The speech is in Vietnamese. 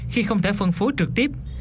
khi không thể phân phối trực tiếp